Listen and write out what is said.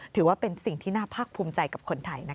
ถือว่าเป็นสิ่งที่น่าภาคภูมิใจกับคนไทยนะคะ